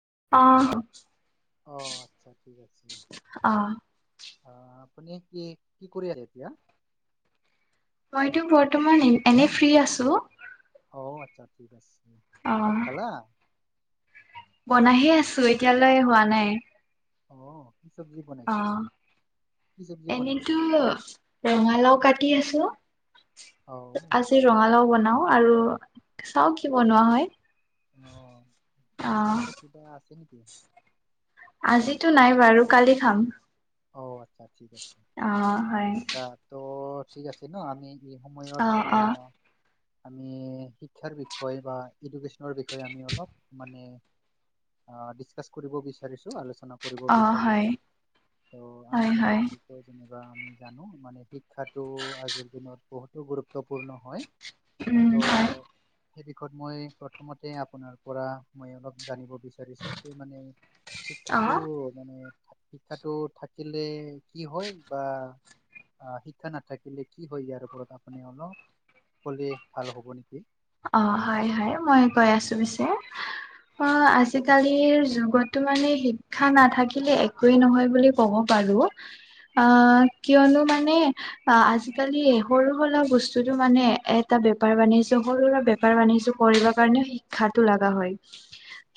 অ'। অ' আচ্ছা ঠিক আছে। অ', অ' আপুনি কি কি কৰে এতিয়া? মইতো বৰ্তমান এনে ফ্ৰী আছো। অ' আচ্ছা ঠিক আছে, ভাত অ', খালা? বনাইহে আছো এতিয়ালৈ হোৱা নাই। অ'। কি চব্জি বনাইছে অ' কি চব্জি বনাইছা এনেতো ৰঙালাওঁ কাটি আছো। অ আজি ৰঙালাওঁ বনাওঁ আৰু চাওঁ কি বনোৱা হয়। আহ মাছ অ', মাংস কিবা আছে নেকি? আজিতো নাই বাৰু কালি খাম। অ', ঠিক আছে। অ', হয় আচ্ছা ত' ঠিক আছে ন আমি এই সময়ত অ', আ অ', আমি শিক্ষাৰ বিষয়ে বা এডুকেশ্যনৰ বিষয়ে আমি অলপ মানে আ ডিচকাচ কৰিব বিচাৰিছো, আলো [unintelligible] কৰিব অ', হয়। বিচাৰিছো, ত' আমি হয়, হয়, যেনেকে [unintelligible] যেনিবা আমি জানো, মানে শিক্ষাটো আজিৰ দিনত বহুতো গুৰুত্বপূৰ্ণ হয়। উম, ত হয় সেই বিষয়ত মই প্ৰথমতে আপোনাৰ পৰা মই অলপ জানিব বিচ বিচাৰিছোঁ সেই মানে শিক্ষাটো অ', মানে শিক্ষাটোত থাকিলে কি হয় বা অ' শিক্ষা নাথাকিলে কি হয় ইয়াৰ ওপৰত আপুনি অলপ ক'লে ভাল হ'ব নেকি? অ' হয়, হয় মই কৈ আছো পিছে। অ' আজিকালি এইৰ যুগতো মানে শিক্ষা নাথাকিলে একোৱেই নহয় বুলি ক'ব পাৰো। অ' কিয়নো মানে আজিকালি সৰু-সুৰা বস্তুতটো মানে এটা বেপাৰ বাণিজ্য সৰু সুৰা বেপাৰ বাণিজ্য কৰিব কাৰণে শিক্ষাটো লগা হয়,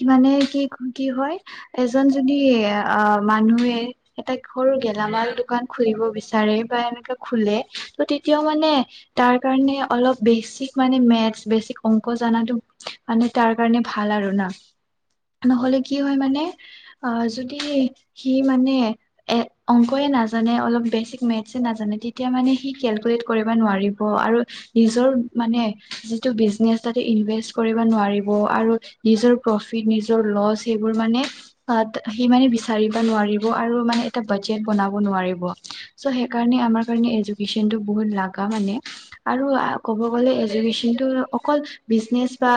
হয় মানে কি কি হয়, এজন যদি, আ, মানুহে এটা সৰু গেলামাল দোকান খুলিব খুলিব বিচাৰে বা এনেকে খোলে ত তেতিয়াও মানে তাৰ কাৰণে অলপ বেছিক মানে মেথ মেথ, বেছিক অংক জাতো মানে তাৰ কাৰণে ভাল আৰু না? নহ'লে কি হয় মানে আ যদি সি মানে এ অংকয়ে নাজানে অলপ বেচিক মেথছে নাজানে তেতিয়া মানে মানে সি কেলকুলট কৰিব নোৱাৰিব আৰু নিজৰ মানে যিটো বিজনেচ তাতে ইনভেষ্ট কৰিব নোৱাৰিব। আৰু নিজৰ প্ৰফিট নিজৰ লছ সেইব বোৰ মানে সি মানে বিচাৰিব নোৱাৰিব আৰু মানে এটা বাজেট বনাব নোৱাৰিব। চো সেইকাৰণে আমাৰ কাৰণে এডুকেশ্বনটো বহুত লাগা মানে। আৰু ক'ব গ'লে এডুকেশ্বনটো অকল বিজনেচ বা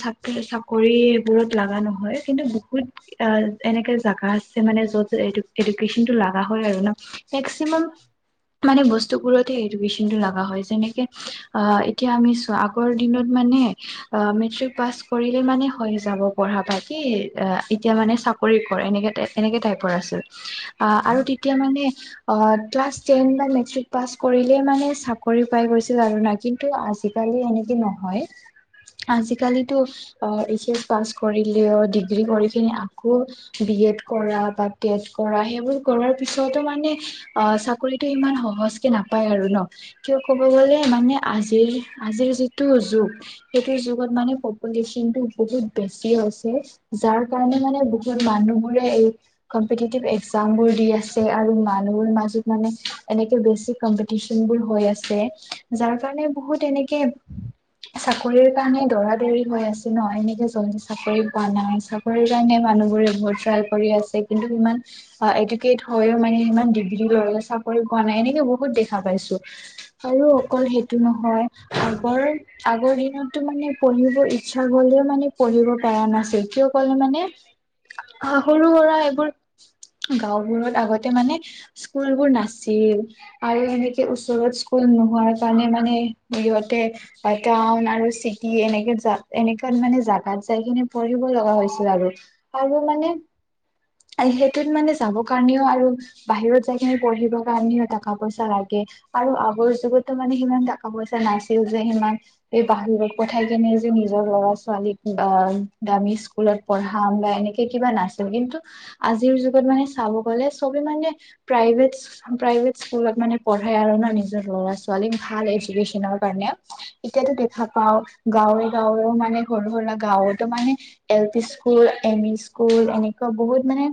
চ চাকৰি বোৰত লগা নহয় কিন্তু বহুত অ এনেকাে জাগা আছে মানে য'ত এ এডুকেশ্বনটো লগা হয় আৰু ন? মেক্সিমাম মানে বস্তুবোৰত এডুকেশ্বনটো লগা হয় যেনেকে এতিয়া আমি চোৱা আগৰ দিনত মানে অ মেট্ৰিক পাছ কৰিলে মানে হৈ যাব পঢ়া বা এতিয়া মানে চাকৰি কৰ এনেকোই এনেকে টাইপৰ আছিল। আ আৰু তেতিয়া মানে আ ক্লাছ টেন বা মেট্ৰিক পাছ কৰিলে মানে চাকৰি পাই গৈছিল আৰু না কিন্তু টো আজিকালি এনেকে নহয়। আজিকালিতো আ, এইচ এছ পাছ কৰিলেও ডিগ্ৰী কৰি কিনে আকৌ বি এড কৰা বা তেত কৰা, সেইবোৰ কৰাৰ পিছতো মানে অ চাকৰিতটো ইমান সহজ নাপায় আৰু ন। কিয় ক'ব গ'লে মানে আজিৰ আজিৰ যিটো যুগ, সেইটো যুগত মানে পপুলেশ্বনটো বহুত বেছি হৈছে, যাৰ কাৰে মানে বহুত মানুহবোৰে এই কম্পিতিতিভ এক্সাম বোৰ দি আছে। আৰু মানুহৰ মাজত মানে এনেকে বেছি কম্পিটিচন বোৰ হৈ আছে, যাৰ সেইকাৰণে বহুত এনেকে চাকৰিৰ কাৰণে দৰা দৰি হৈ আছে ন, এনেকে জল্দি চাকৰি পোৱা নাই চাকৰি কাৰণে য়া মানুহবোৰে এইবোৰ ট্ৰাই কৰি আছে কিন্তু সিমান এডুকেট হৈও মানে সিমান ডিগ্ৰী লৈও চাকৰি পোৱা নাই এনেকে বহুত দেখা পাইছো। আৰু হয় হয় অকল নহয়। আগৰ আগৰ দিনতো মানে পঢ়িবৰ ইচ্ছা গলেও মানে পঢ়িব পাৰ বেয়া নাছিল, কিয় ক'লে মানে সৰু সুৰা এইবোৰ গাঁওবোৰত আগতে মানে স্কুলবোৰ নাছিল, আৰু এেনেকে ওচৰত স্কুল [unintelligible] নোহোৱা কাৰণে মান মানে সিহঁতে টাউন আৰু চিটি এনেকে জা, এনেকে মানে জোগাত যাই কিনে পঢ়িব লগা হৈছিল আৰু আৰু মানে হয় সেইটোত মানে যাব কাৰণেও আৰু বাহিৰত যায় কিনে পঢ়িব কাৰণেও টকা পইচা লাগে। আৰু আগৰ যুগতটো মানে সিমান টকা পইচা নাছিল যে, সিমান এই বাহিৰত পঠাই কেনে যে নিজৰ ল'ৰা ছোৱালীক আহ দামি স্কুলত পঢ়াম বা এনেকে কিবা নাছিল। কিন্তু আজিৰ যুগত মানে চাব গ'লে চবে মানে প্ৰাইভেট প্ৰাইভেট স্কুলত মানে পঢ়াই আৰু না নিজৰ ল'ৰা ছোৱালী ভাল এডুকেশনৰ কাৰণে এতিয়াতো দেখা পাও গাঁৱে গাঁৱেও মানে সৰু সুৰা গাঁৱতো মানে L P school M E school এনেকুৱা বহুত মানে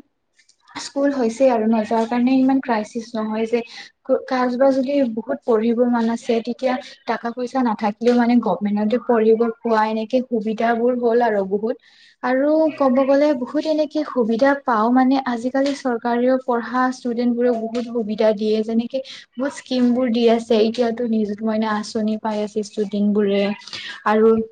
স্কুল হৈছে আৰু ন, যাৰ কাৰণে ইমান ক্ৰাইচিচ নহয় যে কাজ বা যদি বহুত পঢ়িব মন আছে, তে এতিয়া টকা পইচা নাথাকিলেও মানে গভমেন্টতে পঢ়িব পোৱা, এনেকে সুবিধা বোৰ হ'ল আৰু বহুত আৰু হয় হয় ক'ব গ'লে বহুত এনেকে সুবিধা পাওঁ মানে আজিকালি চৰকাৰেও, পঢ়া ষ্টুডেন্ট বোৰেও বহুত সুবিধা দিয়ে যেনেকে বহুত স্কিম বোৰ দি আছে। এতিয়াতো নিযুত মইনা আঁচনি পাই আছে ষ্টুডেন্ট বোৰে আৰু হয়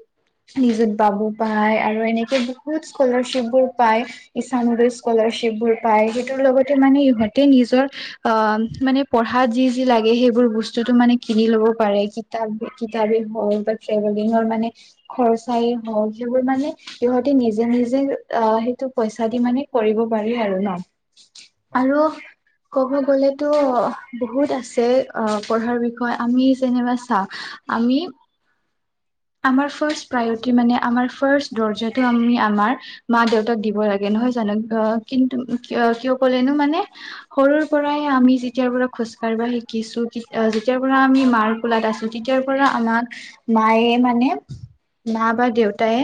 নিজৰ বাবু পায় আৰু এনেকে বহুত স্কলাৰশ্বিপ বোৰ পায়, ইঈছানুদ স্কলাৰশ্বিপ বোৰ পায়। সিহঁতৰ লগতে মানে ইহঁতে নিজৰ অ' পঢ়া যি যি হেইবোৰ বস্তু মানে কিনি ল'ব পাৰে কিতাপ কিতাপেই হওঁক বা ট্ৰেভেলিঙৰ মানে খৰচাই হওঁক সেইবোৰ মানে সিহঁতে নিজে নিজে আহ সেইটো পইচা দি মানে কৰিব পাৰি আৰু ন! হয় আৰু ক'ব গ'লে তটো বহুত আছে। অ', পঢ়াৰ বিষয়ে আমি চিনেমা চাওঁ আমি আমাৰ ফাৰ্ষ্ট প্ৰায়ৰিটি মানে আমাৰ ফাৰ্ষ্ট দৰ্জাটো আমি আমাৰ মা দেউতাক দিব লাগে। নহয় জানো অ' কিন্তু ক কিয় ক'লেনো মানে সৰুৰ পৰাই আমি যেতিয়াৰ পৰা খোজ কাৰ বা শিকিছো যেতিয়াৰ পৰা আমি মাৰ কোলাত আছো তেতিয়াৰ পৰা আমাক মায়ে মানে [inaudible] মা বা দেউতায়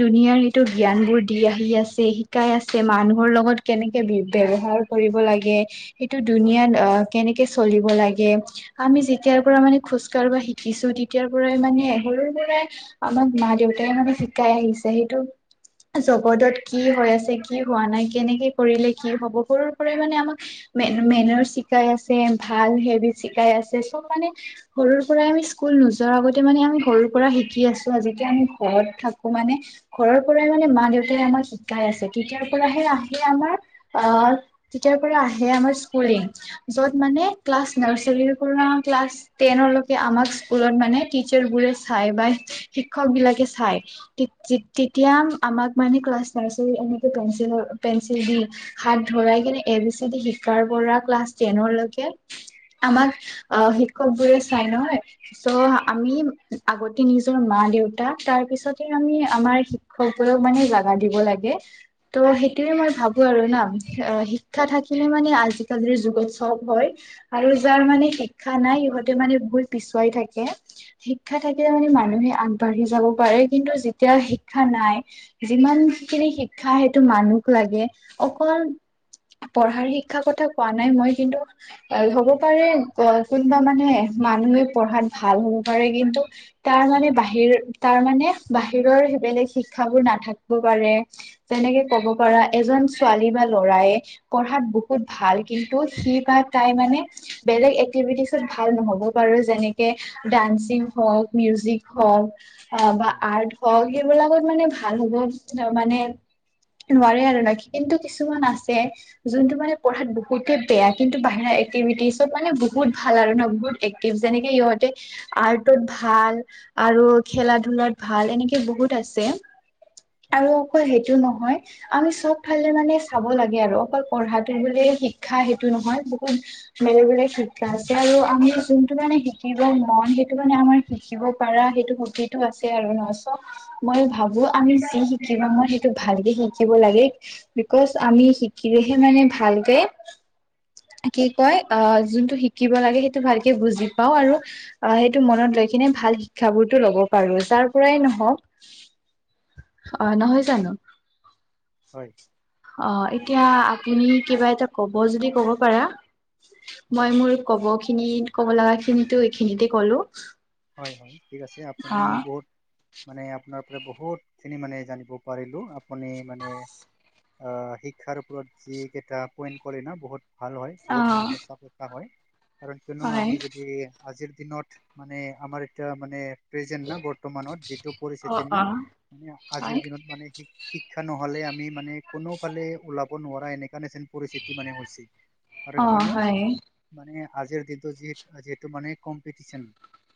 দুুনীয়াৰ সেইটো জ্ঞান বোৰ দি আহি আছে। শিকাই আছে মানুহৰ লগত কেনেকে ব্যৱহাৰ কৰিব লাগে সেইটো হয় দুুনীয়াত অ' কেনেকে চলিব লাগে। আমি যেতিয়াৰ পৰা মানে খোজ কাঢ়িব শিকিছো তেতিয়াৰ পৰাই মানে সৰু পৰাই আমাক মা দেউতাই মানে শিকাই আহিছে। সেইটো জগতত কি হৈ আছে কি হোৱা নাই কেনেকে কৰিলে কি হ'ব সৰুৰ পৰাই মানে আমাক মে মেনাচ্ শিকাই আছে ভাল হেভিটচ শিকাই আছে চব মানে সৰুৰ পৰাই আমি স্কুল নোযোৱাৰ আগতে মানে আমি সৰু পৰা শিকি আছো। আজি আমি ঘৰত থাকো মানে ঘৰৰ পৰাই মানে মা দেউতাই আমাক শিকাই আছে। তেতিয়াৰ পৰাহে আহে আমাৰ অ' তেতিয়াৰ পৰা আহে আমাৰ স্কুলিং য'ত মানে ক্লাচ নাৰ্চাৰ পৰা ক্লাছ টেনলৈকে আমাক স্কুলত মানে টিচাৰবোৰে চাই বা শিক্ষকবিলাকে চায়। তেতিয়া আমাক মানে ক্লাছ নাৰ্চাৰ পেঞ্চ পেঞ্চিল দি হাত ধৰাই কিনে এ বি চি শিকাৰ পৰা ক্লাছ টেনৰ আমাক আহ শিক্ষকবোৰে চাই নহয়। চ' আমি আগতে নিজৰ মা দেউতা তাৰ পিছতে আমি আমাৰ শিক্ষকক মানে জাগা দিব লাগে। ত' সেইটোয়ে মই ভাবো আৰু না শিক্ষা থাকিলে হয় মানে আজিকালিৰ যুগত চব হয় আৰু যাৰ মানে শিক্ষা নাই সিহঁতে মানে বহুত পিছুৱাই থাকে। শিক্ষা থাকিলে মানে মানুহে আগবাঢ়ি যাব পাৰে। কিন্তু যেতিয়া শিক্ষা নাই যিমানখিনি শিক্ষা সেইটো মানুহক লাগে অকল পঢ়াৰ শিক্ষাৰ কথা কোৱা নাই। মই কিন্তু হ'ব পাৰে কোনোবা মানে মানুহে পঢ়াত ভাল হ'ব পাৰে৷ কিন্তু তাৰ মানে বাহিৰ তাৰ মানে বাহিৰৰ সেই বেলেগ শিক্ষাবোৰ নাথাকিব পাৰে। যেনেকে ক'ব পাৰা এজন ছোৱালী বা ল'ৰায়ে পঢ়াত বহুত ভাল। কিন্তু সি [unintelligible] তাই মানে বেলেগ এক্টিভিটিছত ভাল নহ'ব পাৰো। যেনেকে ডান্সিং মিউজিক হওঁক হয় বা হয় আৰ্ট হওঁক সেইবিলাকত মানে ভাল হ'ব, মানে নোৱাৰে আৰু ন কিন্তু কিছুমান আছে, যোনটো মানে পঢ়াত বহুতে বেয়া কিন্তু বাহিৰা এক্টিভিটিছত মানে বহুত ভাল আৰু ন বহুত এক্টিভ, যেনেকে সহঁতে আৰ্ট তত ভাল আৰু খেলা ধূলাত ভাল, এনেকে বহুত আছে। আৰু হয় অকৌ সেইটো নহয় আমি চব ফালে মানে চাব লাগে আৰু অকল পঢ়াটো বোলে শিক্ষা সেইটো নহয় বহুত বেলেগ বেলেগ শিকা আছে, আৰু আমি যোনটো মানে শিকিব মন সেই সেইটো মানে আমাৰ শিকিব পাৰা সেইটো আছে আৰু ন চ' মই হয় ভাবো আমি যি শিকিব মন সেই ভালকে শিকিব লাগে বিকজ আমি শিকিলেহে মানে ভালকে কি কয় অ' যোনটো শিকিব লাগে সেইটো ভালকে বুজি পাও আৰু আহ সেই মনত ৰৈ কিনে ভাল শিক্ষাবোৰতটো ল'ব পাৰো যাৰ পৰাই নহওঁক। অ', নহয় জানো? হয় অ', এতিয়া আপুনি কিবা এটা ক'ব যদি ক'ব পাৰা। মই হয়। মোৰ কব খিনি ক'ব লগা কিন্তু এইখিনিতে ক'লো। হয় হয়, ঠিক আছে আপুনি অ' বহুত মানে আপোনাৰ পৰা বহুতখিনি মানে জানিব পাৰিলোঁ, আপুনি মানে আ, শিক্ষাৰ ওপৰত যিকেইটা পইন্ট ক'লে ন বহুত ভাল হয় বহুত মানে অ' সঁচা [unintelligible] হয়, কাৰণ কিয়নো হয়। আমি যদি আজিৰ দিনত, মানে আমাৰ এতিয়া মানে প্ৰেজেন্ট না বৰ্তমানত যিটো অ' পৰিস্থিতি না, অ'। আমি হয় আজিৰ দিনত মানে শি-শি শিক্ষা ন'হলে আমি মানে কোনোফালে ওলাব নোৱাৰা এনেকা নেতেন পৰিস্থিতি মানে হৈছে। আৰু অ' কিয়নো, হয় মানে আজিৰ দিনটো য-যিহেতু মানে কম্পিটিচন।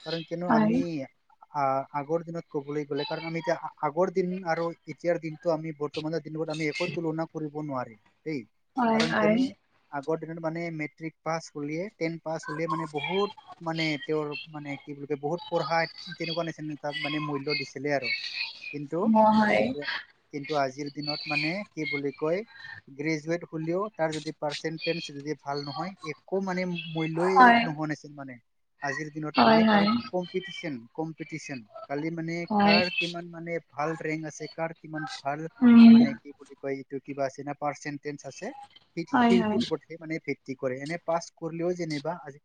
কাৰণ কিয়নো হয় আমি আ আগৰ দিনত ক'বলৈ গ'লে কাৰণ আমি এতিয়া আগৰ দিন আৰু এতিয়াৰ দিনটো আমি বৰ্তমানে আমি একো তুলনা কৰিব নোৱাৰি দেই, হয় কাৰণ হয়। কিয়নো আগৰ দিনত মানে মেট্ৰিক পাছ হ'লিয়ে টেন পাছ হ'লে মানে বহুত মানে তেওঁৰ মানে কি বুলি ক বহুত পঢ়া, তেনেকুৱা নিচিনা তাত মানে মূল্য দিছিলে আৰু। কিন্তু, অ' হয় কিন্তু কিন্তু আজিৰ দিনত মানে কি বুলি কয় গ্ৰেজুৱেট হ'লেও তাৰ যদি পাৰচেন্টটেজ যদি ভাল নহয়, সি একো মানে মু মূল্যয়ই হয় নোহোৱা নাছিল মানে, আজিৰ দিনত মানে হয় কাৰণ হয় কম্পিটিশন কম্পিটিশন। কালি মানে, হয় কাৰ কিমান মানে ভাল ৰেং আছে কাৰ কিমান ভাল উম। মানে কি বুলি কয় এইটো কিবা আচিনা পাৰচেন্টটেজ আছে। সেই হয় হয় সেইটোৰ ওপৰতহে মানে বে কি কৰে, এনে পাছ কৰিলেও যেনিবা আজি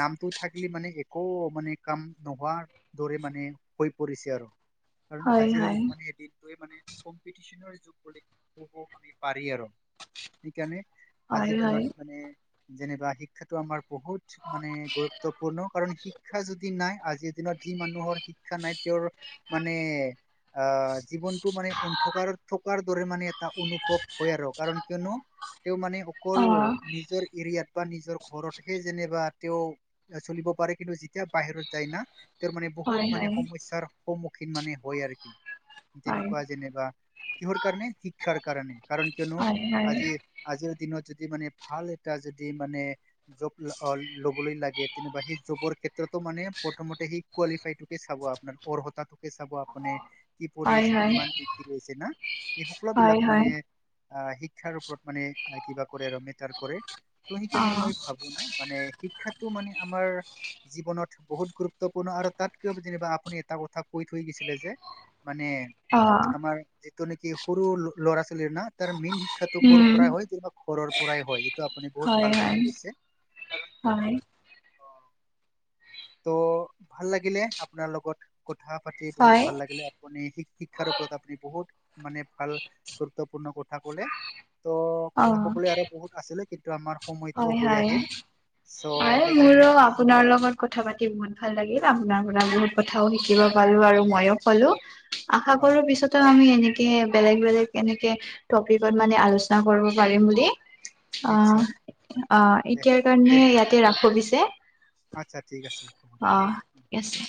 নামটো থাকিলি মানে এ কৌ মানে কাম নোহোৱাৰ দৰে মানে হৈ পৰিছে আৰু। কাৰণ হয় আজিৰ হয় মানে এদিন তোয়ে মান কম্পিটিনৰ যুগ বুলি ক'ব আমি পাৰি আৰু। সেইকাৰণে, হয় আজিৰ হয় দিনত মানে যেনিবা শিক্ষাটো আমাৰ বহুত মানে গুৰুত্বপূৰ্ণ, কাৰণ শিক্ষা যদি নাই, আজিৰ দিনত যি মানুহৰ শিক্ষা নাই তেওঁৰ মানে অ', জীৱন টো মানে অন্থকাৰ থকাৰ দৰে মানে এটা অনুভৱ হয় আৰু, কাৰণ কিয়নো তেওঁ মানে অকল অ' নিজৰ এৰিয়াত বা নিজৰ ঘৰতহে যেনিবা তেওঁ চলিব পাৰে কিন্তু যেতিয়া বাহিৰত যায় না তেওঁৰ মানে বহুত হয় মানে হয়। সমস্যাৰ সন্মুখীন মানে হয় আৰুকি। তেনেকুৱা হয় যেনিবা কিহৰ কাৰণে শিক্ষাৰ কাৰণে, কাৰণ কিয়নো হয় আজিৰ-আজিৰ দিনত যদি মানে ভাল এটা যদি মানে জব ল-অ-লবলৈ লাগে তেনিবা সি জবৰ ক্ষেত্ৰতো মানে প্ৰথমতে সেই কোৱালিফাইটোকে চাব আপোনাৰ, অৰ্হতাটোকে চাব আপুনি কি পঢ়ি হয় আছে হয় কিমান কি কৰি আছে না, এই সকলো হয় হয় বিলাক মানে হয়। আহ শিক্ষাৰ ওপৰত মানে কিবা কৰে আৰু মেটাৰ কৰে। ত' সেইকাৰণে অ' মই ভাবো ন মানে শিক্ষাটো মানে আমাৰ জীৱনত বহুত গুৰুত্বপূৰ্ণ আৰু তাতকৈ যেনিবা আপুনি এটা কথা কৈ থৈ গৈছিলে যে মানে অ' আমাৰ যিটো নেকি সৰু ল'ৰা ছোৱালী ন তাৰ মেইন শিক্ষাটো কৰ উম পৰাই হয় ঘৰৰ পৰাই হয়। এইটো আপুনি বহুত হয় ভাল হয় পইণ্ট কৈছে। কাৰণ কিয়নো হয়। ত' ভাল লাগিলে আপোনাৰ লগত। কথা পাতি বহুত হয়। ভাল লাগিলে, আপুনি শিক-শিক্ষাৰ ওপৰত আপুনি বহুত মানে ভাল গুৰুত্বপূৰ্ণ কথা কলে, ত' অ কথা কবলৈ আৰু বহুত আছিলে কিন্ টো আমাৰ সময়তটো হয় হৈ হয় আহিল। হয় চ' মোৰো সেইকাৰণে আমি আপোনাৰ লগত কথা পাতি বহুত ভাল লাগিল, আপোনাৰ পৰা বহুত কথাও শিকিব পালো আৰু মইও কলো। হয় আশাকৰোঁ পিছতো আমি এনে কে বেলেগ-বেলেগ এনেকে টপিকত মানে আলোচনা কৰিব পাৰিম বুলি। অ', নিশ্চয় অ', দে এতিয়াৰ দে কাৰণে ইয়াতে ৰাখো পিছে। আচ্ছা ঠিক আছে, হ'ব অ দিয়া। ঠিক আছে